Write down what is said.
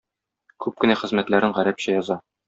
Күп кенә хезмәтләрен гарәпчә яза.